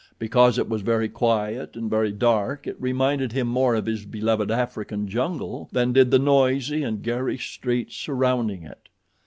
Because it was very quiet and very dark it reminded him more of his beloved African jungle than did the noisy and garish streets surrounding it.